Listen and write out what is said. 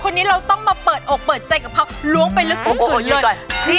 คนนี้เราต้องมาเปิดอกเปิดใจกับเขาร้วงไปลึกเลย